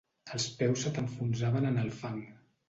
Els peus se t'enfonsaven en el fang